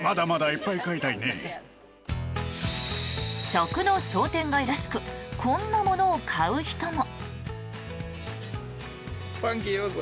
食の商店街らしくこんなものを買う人も。